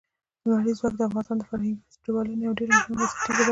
لمریز ځواک د افغانستان د فرهنګي فستیوالونو یوه ډېره مهمه او بنسټیزه برخه ده.